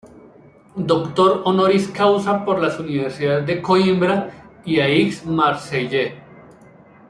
Doctor honoris causa por las universidades de Coímbra y Aix-Marseille.